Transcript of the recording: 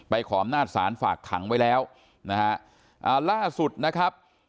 ไปขอบหน้าสารฝากขังไว้แล้วนะฮะอ่าล่าสุดนะครับ